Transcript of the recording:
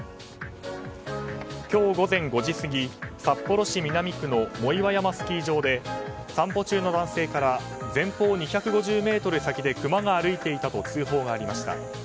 今日午前５時過ぎ札幌市南区の藻岩山スキー場で散歩中の男性から前方２５０ｍ先でクマが歩いていたと通報がありました。